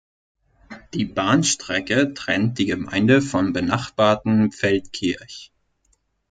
Die Bahnstrecke trennt die Gemeinde vom benachbarten Feldkirch.